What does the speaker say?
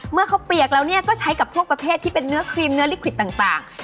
เมื่อเขาเปียกแล้วเนี่ยก็ใช้กับพวกประเภทที่เป็นเนื้อครีมเนื้อลิขวิตต่าง